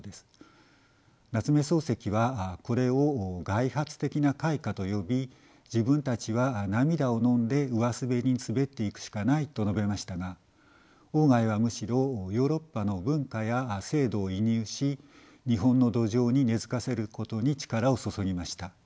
夏目漱石はこれを外発的な開化と呼び自分たちは涙をのんで上滑りに滑っていくしかないと述べましたが外はむしろヨーロッパの文化や制度を移入し日本の土壌に根づかせることに力を注ぎました。